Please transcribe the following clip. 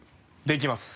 できます。